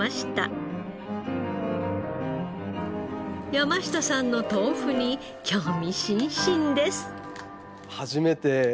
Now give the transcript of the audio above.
山下さんの豆腐に興味津々です。